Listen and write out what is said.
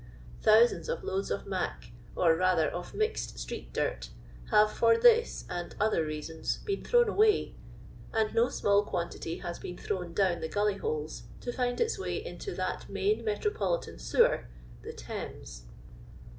Thousands of loads of " mac," or rather of mixed street dirt, have for this, and other reasons, been thrown away ; and no snuili quantity has been thrown down the gulley holes, to find its way into that main metropolitan sewer, the Thames.